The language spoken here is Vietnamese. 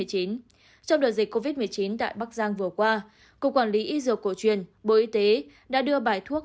trong đợt dịch covid một mươi chín tại bắc giang vừa qua cục quản lý y dược cổ truyền bộ y tế đã đưa bài thuốc